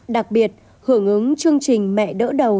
đặc biệt hưởng ứng chương trình mẹ đỡ đầu